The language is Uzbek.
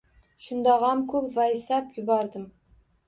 Shundog`am ko`p vaysab yubordim